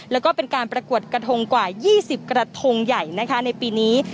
แล้วก็เป็นการประกวดกระทงกว่า๒๐กระทงใหญ่นะคะในปีนี้